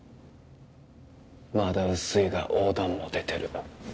まだ薄いが黄疸も出てる